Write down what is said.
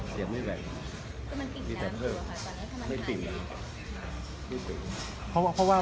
เสียงไม่แหว่ง